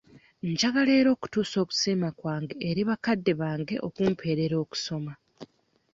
Njagala era okutuusa okusiima kwange era bakadde bange okumpeerera okusoma.